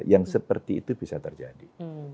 yang seperti itu bisa terjadi